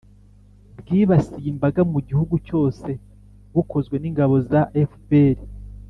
bwibasiye imbaga mu gihugu cyose bukozwe n'ingabo za fpr